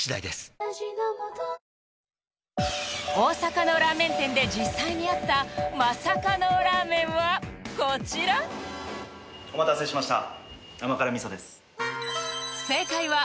大阪のラーメン店で実際にあったマサかのラーメンはこちらお待たせしました